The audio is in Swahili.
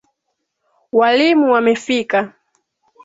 Walimu wamefika.